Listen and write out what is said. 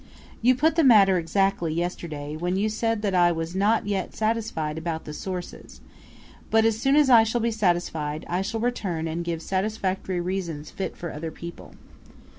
You put the matter exactly yesterday, when you said that I was "not yet satisfied about the Sources; but as soon as I shall be satisfied, I shall return and give satisfactory reasons fit for other people."